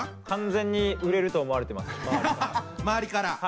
完全に売れると思われてます周りから。